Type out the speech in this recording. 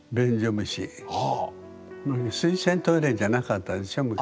水洗トイレじゃなかったでしょ昔。